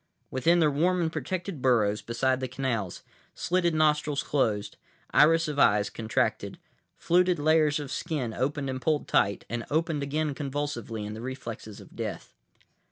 Within their warm and protected burrows beside the canals, slitted nostrils closed, iris of eyes contracted, fluted layers of skin opened and pulled tight, and opened again convulsively in the reflexes of death.